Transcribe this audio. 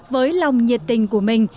với lòng nhiệt tình của mình